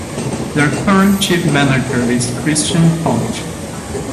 Their current chief manager is Christian Fausch.